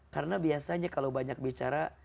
karena biasanya kalau banyak bicara